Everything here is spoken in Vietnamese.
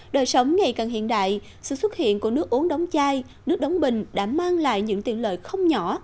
đời sống ngày càng hiện đại sự xuất hiện của nước uống đóng chai nước đóng bình đã mang lại những tiện lợi không nhỏ